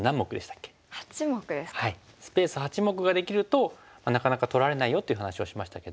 スペース８目ができるとなかなか取られないよという話はしましたけども。